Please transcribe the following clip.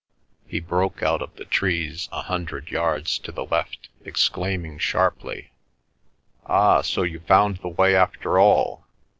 He broke out of the trees a hundred yards to the left, exclaiming sharply: "Ah, so you found the way after all.